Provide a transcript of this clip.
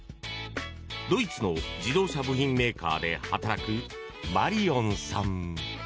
ドイツの自動車部品メーカーで働くマリオンさん。